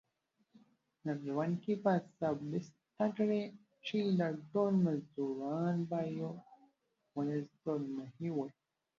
راتلونکي به ثابته کړي چې دا ډول مزدوران به یوه ورځ تورمخي وي.